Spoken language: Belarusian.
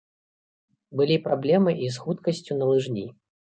Былі праблемы і з хуткасцю на лыжні.